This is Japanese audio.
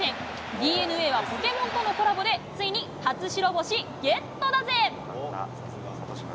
ＤｅＮＡはポケモンとのコラボで、ついに初白星ゲットだぜ！